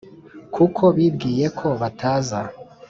kuko bibwiye ko bataza